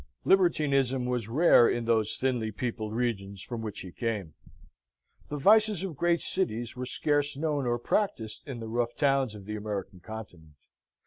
Libertinism was rare in those thinly peopled regions from which he came. The vices of great cities were scarce known or practised in the rough towns of the American continent.